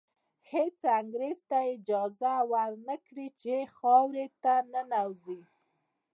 هېڅ انګریز ته اجازه ور نه کړي چې خاورې ته ننوځي.